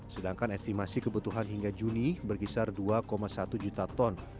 sedangkan estimasi kebutuhan hingga juni berkisar dua satu juta ton